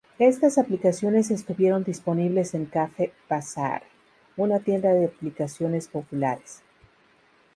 Estas aplicaciones estuvieron disponibles en Cafe Bazaar, una tienda de aplicaciones popular.